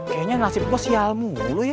kayanya nasib gua sial mulu ya